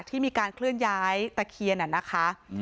ที่มีการเคลื่อนย้ายตะเคียนนะคะ